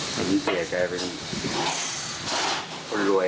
ไม่มีเจ๋ยใจเป็นคนรวย